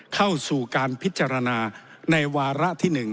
เข้าสู่การพิจารณาในวาระที่๑